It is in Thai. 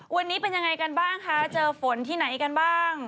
วันนี้เป็นยังไงกันบ้างคะเจอฝนที่ไหนกันบ้าง